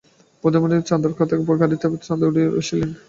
গ্রামের বৈদ্যনাথ মজুমদার চাঁদার খাতা গাতে বাড়ি বাড়ি চাঁদা আদায় করিতে আসিলেন।